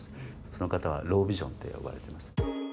その方はロービジョンって呼ばれてます。